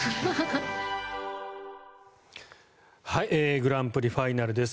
グランプリファイナルです。